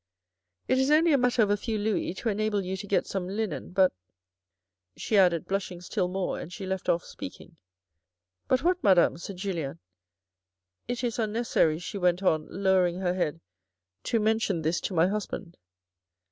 It is only a matter of a few louis to enable you to get some linen. But —" she added, blushing still more, and she left off speaking —" But what, Madame ?" said Julien. " It is unnecessary," she went on lowering her head, " to mention this to my husband."